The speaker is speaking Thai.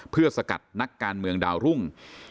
เพื่อสกัดนักการเมืองดาวรุ่ง